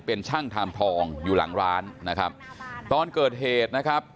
เป็นช่างทามทองอยู่หลังร้านนะครับตอนเกิดเหตุนะครับ